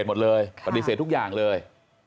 จังหวัดสุราชธานี